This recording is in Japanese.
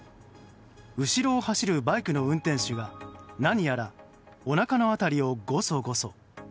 後ろを走るバイクの運転手が何やらおなかの辺りをごそごそ。